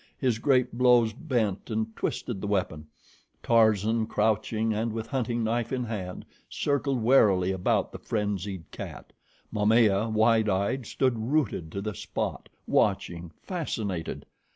His great blows bent and twisted the weapon. Tarzan, crouching and with hunting knife in hand, circled warily about the frenzied cat. Momaya, wide eyed, stood rooted to the spot, watching, fascinated.